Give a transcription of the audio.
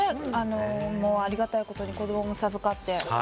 ありがたいことに、子どもも授かって。